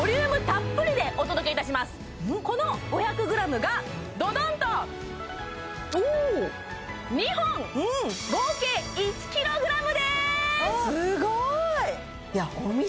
今回はこの５００ｇがどどんと２本！合計１ｋｇです！